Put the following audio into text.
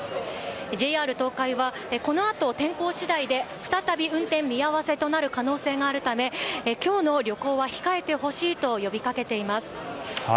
ＪＲ東海はこのあと天候次第で再び、運転見合わせとなる可能性があるため今日の旅行は控えてほしいと呼びかけています。